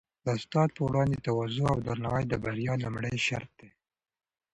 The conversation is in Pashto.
د استاد په وړاندې تواضع او درناوی د بریا لومړی شرط دی.